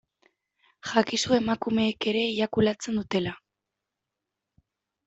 Jakizu emakumeek ere eiakulatzen dutela.